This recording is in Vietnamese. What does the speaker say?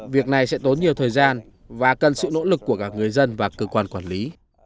việc này sẽ tốn nhiều thời gian và cần sự nỗ lực của cả người dân và cơ quan quản lý